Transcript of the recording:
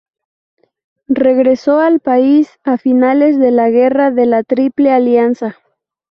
Regresó al país a finales de la Guerra de la Triple Alianza.